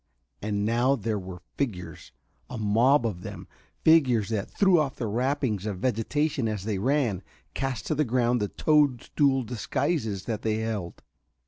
And now there were figures a mob of them figures that threw off their wrappings of vegetation as they ran, cast to the ground the toadstool disguises that they held.